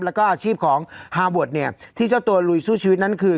แล้วก็อาชีพของฮาเวิร์ดเนี่ยที่เจ้าตัวลุยสู้ชีวิตนั้นคือ